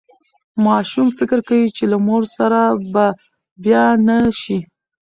ماشوم فکر کوي چې له مور سره به بیا نه شي.